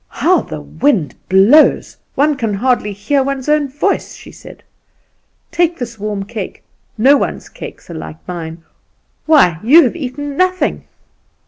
"How the wind blows! One can hardly hear one's own voice," she said. "Take this warm cake; no one's cakes are like mine. Why, you have eaten nothing!"